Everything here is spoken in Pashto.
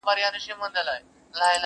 ما او ازل دواړو اورېدل چي توپان څه ویل؛